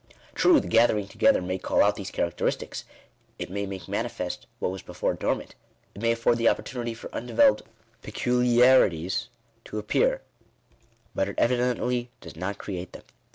True, the gather ing together may call out these characteristics ; it may make manifest what was before dormant ; it may afford the oppor tunity for undeveloped peculiarities to appear ; but it evidently does not create them.